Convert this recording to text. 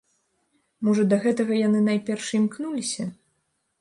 Можа, да гэтага яны найперш і імкнуліся?